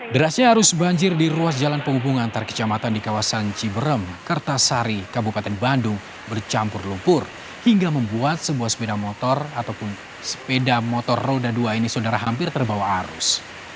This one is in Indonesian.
derasnya arus banjir di ruas jalan penghubung antar kecamatan di kawasan ciberem kertasari kabupaten bandung bercampur lumpur hingga membuat sebuah sepeda motor ataupun sepeda motor roda dua ini saudara hampir terbawa arus